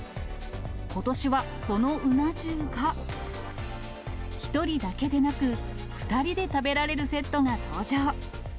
ことしはそのうな重が、１人だけでなく、２人で食べられるセットが登場。